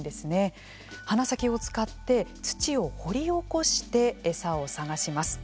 鼻先を使って土を掘り起こして餌を探します。